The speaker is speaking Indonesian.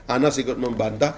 anas ikut membantu